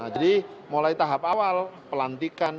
jadi mulai tahap awal pelantikan